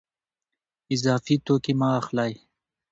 اضافي توکي مه اخلئ.